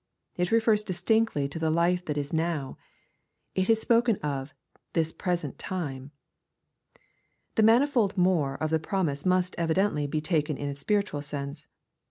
It refers distinctly to the life that now is. It is spoken of " this present time." The " manifold more" of the promise must evidently be taken in a spiritual sense.